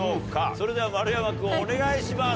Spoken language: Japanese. それでは丸山君お願いします。